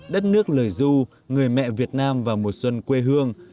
đất nước lời du người mẹ việt nam vào mùa xuân quê hương